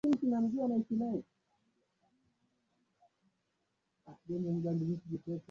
uraisi ninajaribu kukuongea na watu mbali mbali kuona je